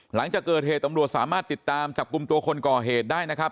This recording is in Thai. หลังจากเกิดเหตุตำรวจสามารถติดตามจับกลุ่มตัวคนก่อเหตุได้นะครับ